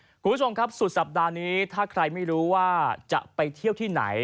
คุณผู้ชมครับสุดสัปดาห์นี้ถ้าใครไม่รู้ว่าจะไปเที่ยวที่ไหน